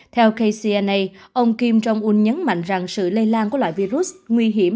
theo kcna ông kim jong un nhấn mạnh rằng sự lây lan của loại virus nguy hiểm